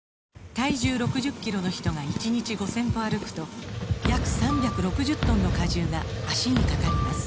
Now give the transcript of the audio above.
体重６０キロの人が１日５０００歩歩くと約３６０トンの荷重が脚にかかります